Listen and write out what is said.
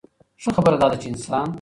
ښۀ خبره دا ده چې انسان